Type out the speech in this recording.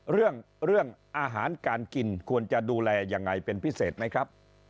เรื่องอาหารการกินควรจะดูแลอย่างไรเป็นพิเศษไหมครับ